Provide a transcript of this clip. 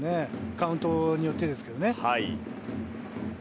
カウントによってですけどね。